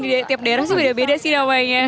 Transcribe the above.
di tiap daerah sih beda beda sih namanya